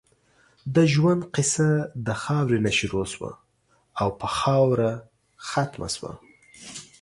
د ژؤند قیصه د خاؤرې نه شروع شوه او پۀ خاؤره ختمه شوه